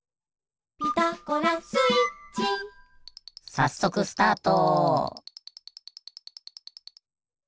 さっそくスタート！